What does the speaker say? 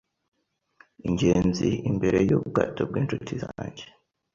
Ingenzi imbere yubwato bwinshuti zanjye